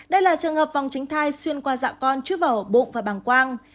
đây là trường hợp vòng tránh thai xuyên qua dạ con trước vào ổ bụng và bảng quang